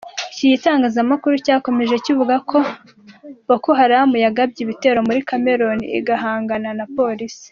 Iki gitangazamakuru cyakomeje kivuga ko Boko Haram yagabye ibitero muri Cameroun igahangana na polisi.